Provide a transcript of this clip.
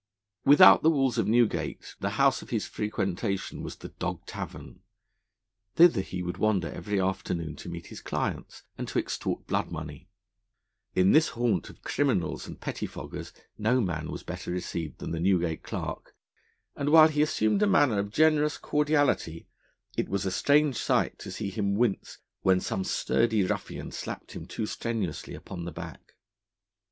Without the walls of Newgate the house of his frequentation was the 'Dog Tavern.' Thither he would wander every afternoon to meet his clients and to extort blood money. In this haunt of criminals and pettifoggers no man was better received than the Newgate Clerk, and while he assumed a manner of generous cordiality, it was a strange sight to see him wince when some sturdy ruffian slapped him too strenuously upon the back.